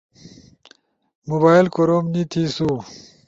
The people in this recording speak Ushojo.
موبائل کوروم نی تھیسو۔